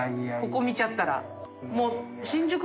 ここ見ちゃったら。